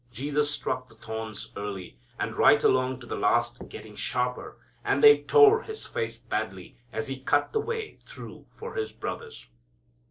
Jesus struck the thorns early, and right along to the last getting sharper. And they tore His face badly, as He cut the way through for His brothers.